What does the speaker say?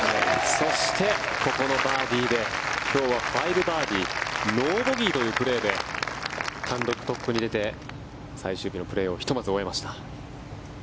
そしてここのバーディーで今日は５バーディーノーボギーというプレーで単独トップに出て最終日のプレーをひとまず終えました。